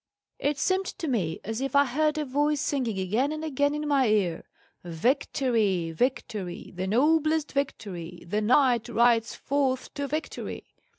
"It seemed to me as if I heard a voice singing again and again in my ear: 'Victory! victory! the noblest victory! The knight rides forth to victory!